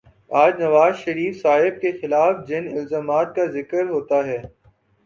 آج نوازشریف صاحب کے خلاف جن الزامات کا ذکر ہوتا ہے،